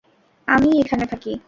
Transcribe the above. আমিই এখানে থাকি।